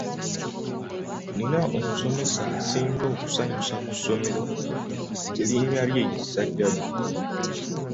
Nnina omusomesa asinga okunsanyusa ku ssomero erinnya lye ye Ssajjabbi.